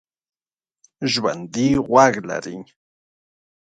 ژوندي غوږ لري